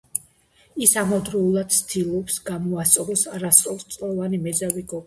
ის ამავდროულად ცდილობს, გამოასწოროს არასრულწლოვანი მეძავი გოგონა.